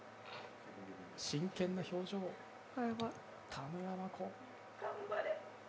真剣な表情、田村真子。